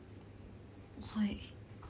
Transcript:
はい。